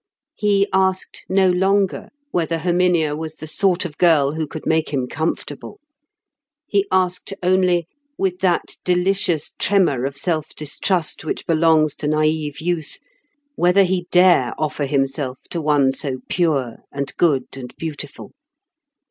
He asked no longer whether Herminia was the sort of girl who could make him comfortable; he asked only, with that delicious tremor of self distrust which belongs to naïve youth, whether he dare offer himself to one so pure and good and beautiful.